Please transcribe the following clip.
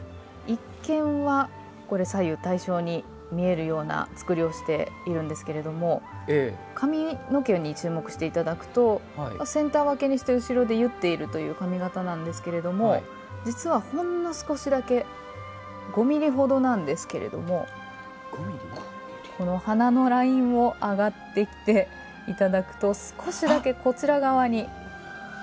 一見は左右対称に見えるようなつくりをしているんですけども髪の毛に注目していただくとセンター分けにして後ろで結っているという髪形なんですけれども実は、ほんの少しだけ５ｍｍほどなんですけども鼻のラインを上がっていっていただくと少しだけ、こちら側に。